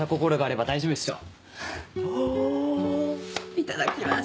いただきます。